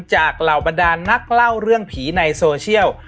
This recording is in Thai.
เหล่าบรรดานนักเล่าเรื่องผีในโซเชียล